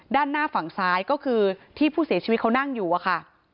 ด้านหน้าฝั่งซ้ายก็คือที่ผู้เสียชีวิตเขานั่งอยู่อะค่ะ